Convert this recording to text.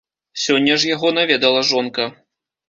Сёння ж яго наведала жонка.